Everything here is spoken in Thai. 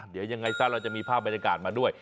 เดี๋ยวยังไงซะเราจะมีภาพบรรยากาศมาด้วย